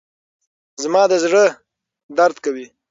زما زړه درد کوي.